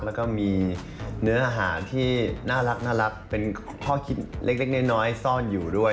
แล้วก็มีเนื้ออาหารที่น่ารักเป็นข้อคิดเล็กน้อยซ่อนอยู่ด้วย